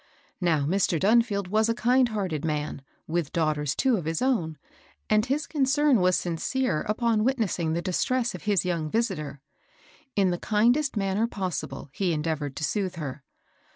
Now Mr. Dunfield was a kind hearted man, with daughters, too, of his own, and his concern was sincere upon witnessing the distress of his young visitor. In the kindest manner possible he endeavored to soothe her.